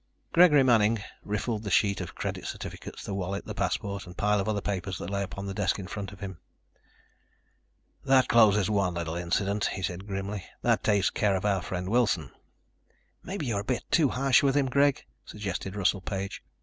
Gregory Manning riffled the sheaf of credit certificates, the wallet, the passport and pile of other papers that lay upon the desk in front of him. "That closes one little incident," he said grimly. "That takes care of our friend Wilson." "Maybe you were a bit too harsh with him, Greg," suggested Russell Page.